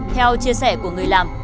theo chia sẻ của người làm